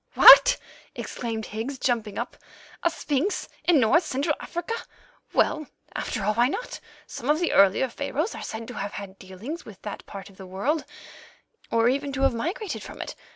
"What!" exclaimed Higgs, jumping up, "a sphinx in North Central Africa! Well, after all, why not? Some of the earlier Pharaohs are said to have had dealings with that part of the world, or even to have migrated from it.